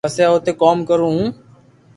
پسي اوتي ڪوم ڪرو ھون